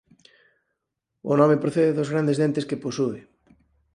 O nome procede dos grandes dentes que posúe.